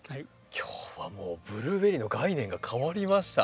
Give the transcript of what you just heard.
今日はもうブルーベリーの概念が変わりました。